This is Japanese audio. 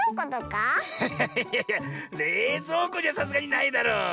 いやいやれいぞうこにはさすがにないだろう。